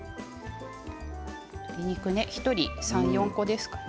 １人３、４個ですかね。